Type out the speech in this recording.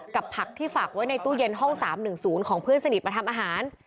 ผักที่ฝากไว้ในตู้เย็นห้อง๓๑๐ของเพื่อนสนิทมาทำอาหาร